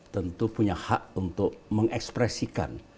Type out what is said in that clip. tentu punya hak untuk mengekspresikan